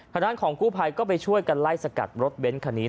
ทางด้านของกู้ภัยก็ไปช่วยกันไล่สกัดรถเบ้นคันนี้